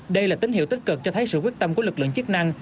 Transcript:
đây là tín hiệu tích cực cho thấy sự quyết tâm của lực lượng chức năng